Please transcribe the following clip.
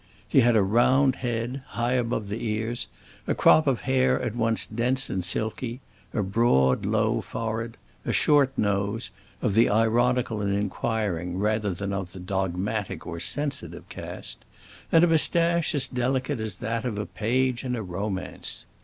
He had a round head, high above the ears, a crop of hair at once dense and silky, a broad, low forehead, a short nose, of the ironical and inquiring rather than of the dogmatic or sensitive cast, and a moustache as delicate as that of a page in a romance.